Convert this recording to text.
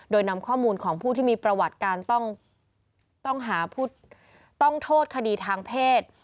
โดยนำข้อมูลของผู้ที่มีประวัติการต้องทดคดีทางเพศ